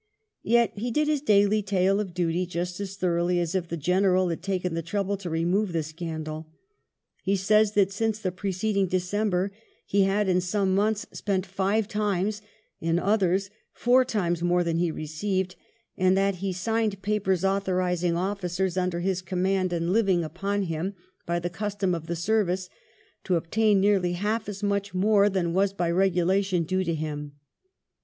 Yet he did his daily tale of duty just as thoroughly as if the General had taken the trouble to remove the scandal. He says that since the pre ceding December he had in some months spent five times, in others four times, more than he received, and that he signed papers authorising officers under his command n WELLESLEY AND THE PRIZE AGENTS 47 and living upon him, by the custom of the service, to obtain nearly half as much more than was by regulation due to him.